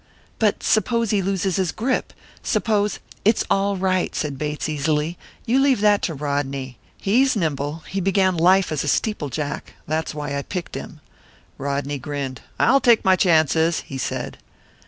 "But suppose he loses his grip! Suppose " "That's all right," said Bates, easily. "You leave that to Rodney. He's nimble he began life as a steeple jack. That's why I picked him." Rodney grinned. "I'll take my chances," he said.